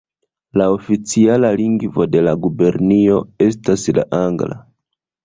La oficiala lingvo de la gubernio estas la angla.